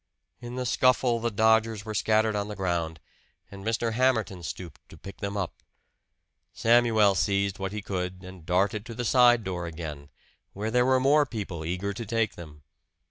In the scuffle the dodgers were scattered on the ground; and Mr. Hamerton stooped to pick them up. Samuel seized what he could and darted to the side door again, where there were more people eager to take them.